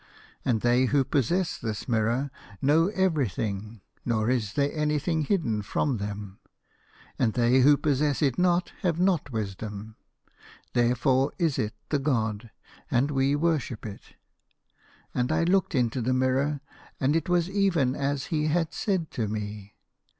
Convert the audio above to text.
And they who possess this mirror know everything, nor is there anything hidden from them. And they who possess it not have not Wisdom. There fore is it the god, and we worship it.' And I looked into the mirror, and it was even as he had said to me.